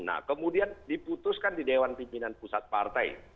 nah kemudian diputuskan di dewan pimpinan pusat partai